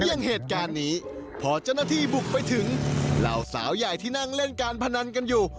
อย่างเหตุการณ์นี้พอเจ้าหน้าที่บุกไปถึงเหล่าสาวใหญ่ที่นั่งเล่นการพนันกันอยู่